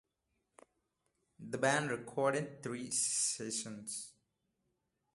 The band recorded three sessions.